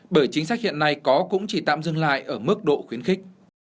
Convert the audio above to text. bởi chính sách hiện nay có cũng chỉ tạm dừng lại ở mức độ khuyến khích